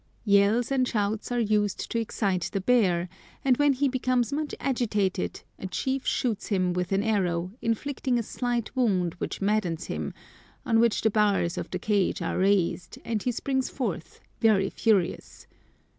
Yells and shouts are used to excite the bear, and when he becomes much agitated a chief shoots him with an arrow, inflicting a slight wound which maddens him, on which the bars of the cage are raised, and he springs forth, very furious.